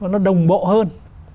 nó đồng bộ hơn